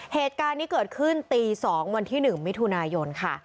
เหตุการณ์นี้เกิดขึ้นตี๒วันที่๑มิถุนายนค่ะ